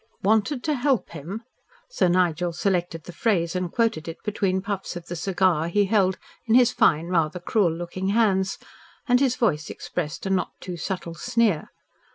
"Wanted to help him." Sir Nigel selected the phrase and quoted it between puffs of the cigar he held in his fine, rather cruel looking hands, and his voice expressed a not too subtle sneer.